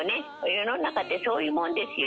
世の中ってそういうもんですよ。